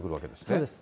そうです。